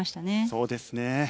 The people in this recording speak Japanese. そうですね。